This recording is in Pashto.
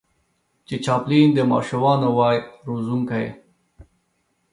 چې چاپلين د ماشومانو وای روزونکی